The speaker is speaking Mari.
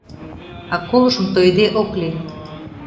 А колышым тойыде ок лий.